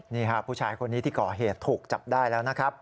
นี่ครับผู้ชายคนนี้ที่ก่อเหตุถูกจับได้แล้วนะครับ